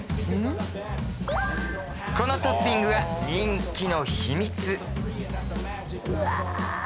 このトッピングが人気の秘密うわ